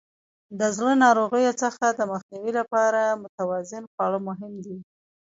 د زړه ناروغیو څخه د مخنیوي لپاره متوازن خواړه مهم دي.